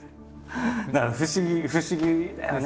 だから不思議不思議だよね